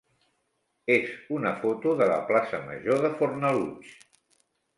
és una foto de la plaça major de Fornalutx.